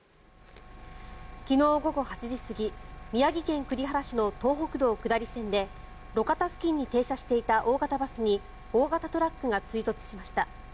昨日午後８時過ぎ宮城県栗原市の東北道下り線で路肩付近に停車していた大型バスに大型トラックが追突しました。